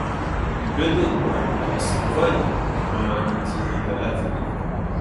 Bidwell Park is "divided" by Manzanita Avenue.